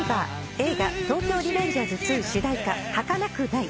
映画『東京リベンジャーズ２』主題歌『儚くない』